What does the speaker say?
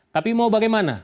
tapi mau bagaimana